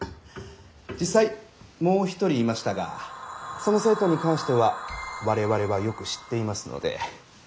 実際もう一人いましたがその生徒に関しては我々はよく知っていますので。